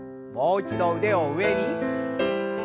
もう一度腕を上に。